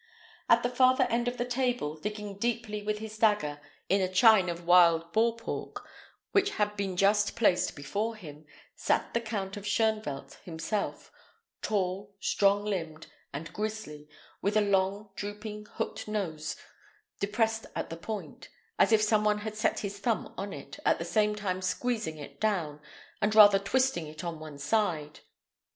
At the farther end of the table, digging deeply with his dagger in a chine of wild boar pork, which had been just placed before him, sat the Count of Shoenvelt himself, tall, strong limbed, and grisly, with a long, drooping, hooked nose, depressed at the point, as if some one had set his thumb on it, at the same time squeezing it down, and rather twisting it on one side.